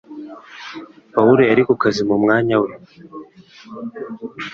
Pawulo yari ku kazi mu mwanya we